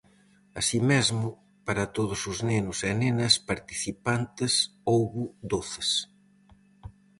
Así mesmo, para todos os nenos e nenas participantes houbo doces.